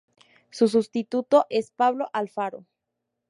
Su sustituto es Pablo Alfaro.